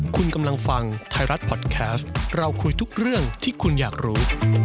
คุณกำลังฟังไทยรัฐพอดแคสต์เราคุยทุกเรื่องที่คุณอยากรู้